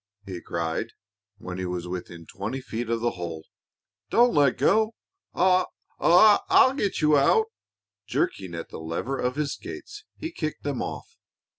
he cried, when he was within twenty feet of the hole. "Don't let go. I I'll get you out!" Jerking at the lever of his skates, he kicked them off.